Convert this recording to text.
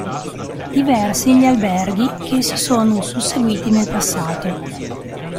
Diversi gli alberghi che si sono susseguiti nel passato.